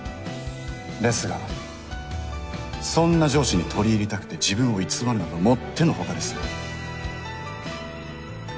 ですがそんな上司に取り入りたくて自分を偽るなどもっての外です。